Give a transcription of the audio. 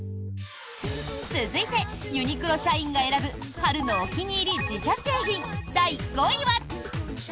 続いて、ユニクロ社員が選ぶ春のお気に入り自社製品第５位は。